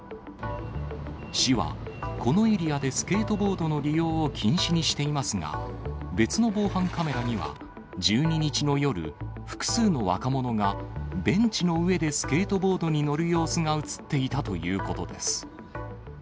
市は、このエリアでスケートボードの利用を禁止にしていますが、別の防犯カメラには、１２日の夜、複数の若者がベンチの上でスケートボードに乗る様子が写っていたということです。